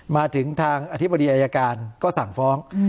มาถึงทางอธิบดีอายการก็สั่งฟ้อง